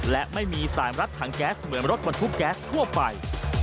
และไม่มีสายรัดถังแก๊สเหมือนรถบรรทุกแก๊สทั่วไป